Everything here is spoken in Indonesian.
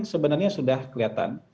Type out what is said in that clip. sebenarnya sudah kelihatan